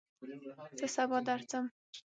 زه سبا درځم